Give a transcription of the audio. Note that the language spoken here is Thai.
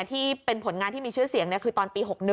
ที่เป็นผลงานที่มีชื่อเสียงคือตอนปี๖๑